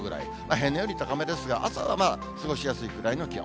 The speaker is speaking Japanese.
平年より高めですが、朝は過ごしやすいくらいの気温。